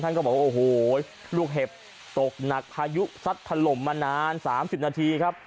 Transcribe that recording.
ก็บอกว่าโอ้โหลูกเห็บตกหนักพายุซัดถล่มมานาน๓๐นาทีครับ